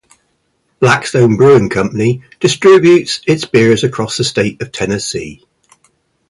Blackstone Brewing Company distributes its beers across the state of Tennessee.